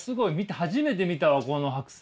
初めて見たわこの剥製。